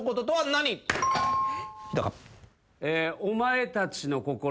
お前たちの心